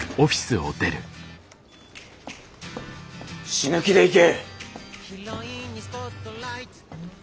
死ぬ気でいけ！